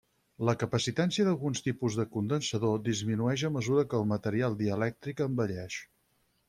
La capacitància d'alguns tipus de condensador disminueix a mesura que el material dielèctric envelleix.